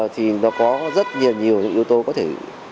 thì nó có rất nhiều những yếu tố có thể